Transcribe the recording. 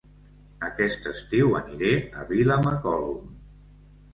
Aquest estiu aniré a Vilamacolum